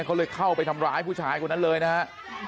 เขาเลยเข้าไปทำร้ายผู้ชายคนนั้นเลยนะฮะ